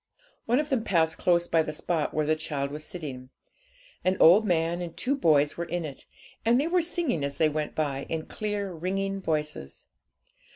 One of them passed close by the spot where the child was sitting. An old man and two boys were in it, and they were singing as they went by, in clear, ringing voices.